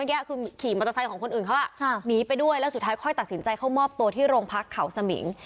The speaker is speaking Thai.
แยกคือขี่มอเตอร์ไซค์ของคนอื่นเขาหนีไปด้วยแล้วสุดท้ายค่อยตัดสินใจเข้ามอบตัวที่โรงพักเขาสมิง